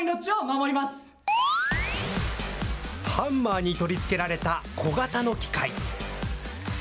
ハンマーに取り付けられた小型の機械。